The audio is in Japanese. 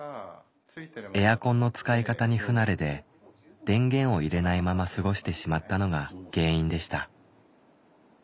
エアコンの使い方に不慣れで電源を入れないまま過ごしてしまったのが原因でした。